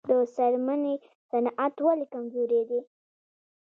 د څرمنې صنعت ولې کمزوری دی؟